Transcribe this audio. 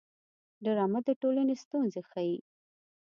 ډرامه د ټولنې ستونزې ښيي